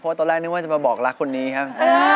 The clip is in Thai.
เพราะว่าตอนแรกก็อยากมาบอกรักคนนี้ครับ